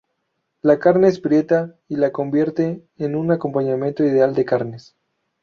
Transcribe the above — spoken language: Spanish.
La carne es prieta y la convierte en un acompañamiento ideal de carnes.